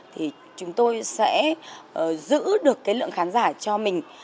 thì chúng tôi sẽ giữ được cái lượng khán giả cho mình